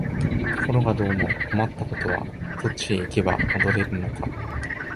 ところがどうも困ったことは、どっちへ行けば戻れるのか、